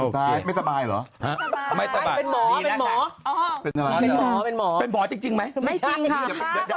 น้อยไม่สบายเหรอ